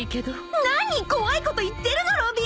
何怖いこと言ってるのロビン！